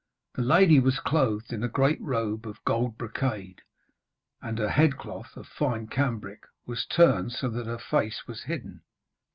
The lady was clothed in a great robe of gold brocade, and her headcloth, of fine cambric, was turned so that her face was hidden.